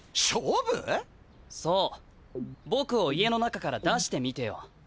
そうぼくを家の中から出してみてよ。